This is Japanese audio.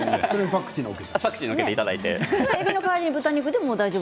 パクチーを載せていただいて。